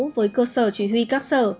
với cơ sở chỉ huy các sở